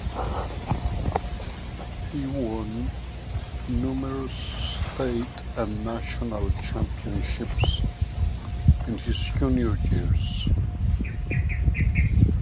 He won numerous state and national championships in his junior years.